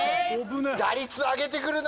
打率上げてくるな！